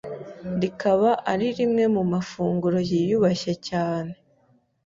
rikaba ari rimwe mu mafunguro yiyubashye cyane